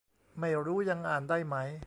ไม่รู้ยังอ่านได้ไหม